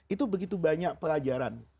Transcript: itu begitu banyak pelajaran